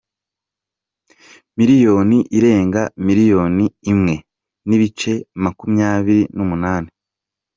Miliyoni irenga miriyoni imwe n’ibice makumyabiri n;’umunani